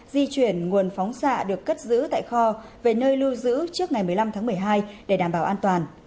di chuyển nguồn phóng xạ được cất giữ tại kho về nơi lưu giữ trước ngày một mươi năm tháng một mươi hai để đảm bảo an toàn